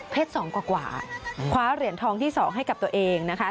สองกว่าคว้าเหรียญทองที่๒ให้กับตัวเองนะคะ